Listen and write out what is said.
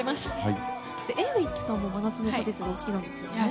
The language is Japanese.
Ａｗｉｃｈさんも「真夏の果実」がお好きなんですよね？